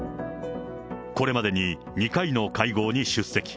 これまでに２回の会合に出席。